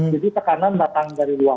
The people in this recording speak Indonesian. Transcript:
jadi tekanan datang dari luar